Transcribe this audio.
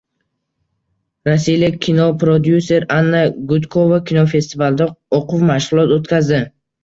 Rossiyalik kinoprodyuser Anna Gudkova kinofestivalda o‘quv- mashg‘ulot o‘tkazdi